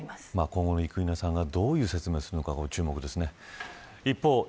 今後、生稲さんがどういう説明をするのか注目ですね。